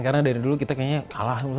karena dari dulu kita kayaknya kayaknya emas